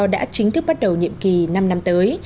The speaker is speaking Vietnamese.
đã chính thức bắt đầu nhiệm kỳ năm năm tới